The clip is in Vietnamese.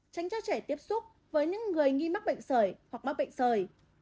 tránh cho trẻ tiếp xúc với những người nghi mắc bệnh sởi hoặc mắc bệnh sởi